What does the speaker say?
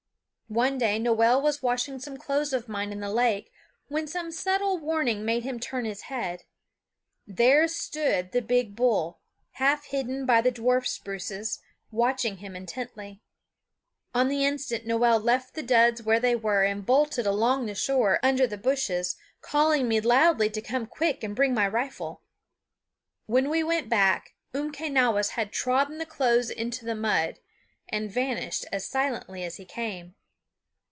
One day Noel was washing some clothes of mine in the lake when some subtle warning made him turn his head. There stood the big bull, half hidden by the dwarf spruces, watching him intently. On the instant Noel left the duds where they were and bolted along the shore under the bushes, calling me loudly to come quick and bring my rifle. When we went back Umquenawis had trodden the clothes into the mud, and vanished as silently as he came.